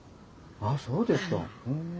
ああそうですか。